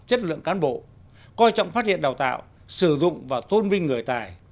chất lượng cán bộ coi trọng phát hiện đào tạo sử dụng và tôn vinh người tài